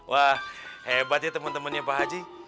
wah hebat ya temen temennya pak haji